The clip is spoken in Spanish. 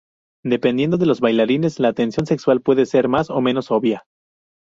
Dependiendo de los bailarines, la tensión sexual puede ser más o menos obvia.